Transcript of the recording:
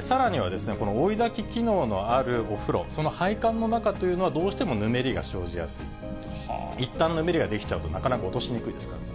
さらにはこの追い炊き機能のあるお風呂、その配管の中というのは、どうしてもぬめりが生じやすい、いったんぬめりが出来ちゃうとなかなか落としにくいですから。